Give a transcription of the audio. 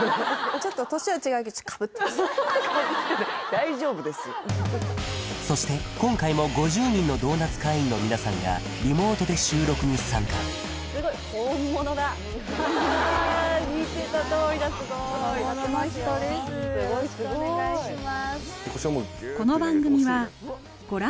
ちょっと年は違うけど大丈夫ですそして今回も５０人のドーナツ会員の皆さんがリモートで収録に参加すごいあ見てたとおりだすごいすごいすごいよろしくお願いします